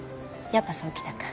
やっぱそうきたか。